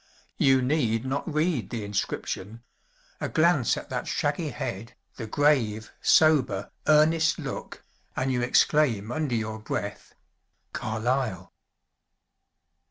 You need not read the inscription: a glance at that shaggy head, the grave, sober, earnest look, and you exclaim under your breath, "Carlyle!"